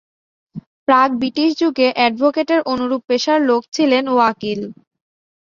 প্রাক-ব্রিটিশ যুগে অ্যাডভোকেটের অনুরূপ পেশার লোক ছিলেন ‘ওয়াকিল’।